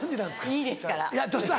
いいですから。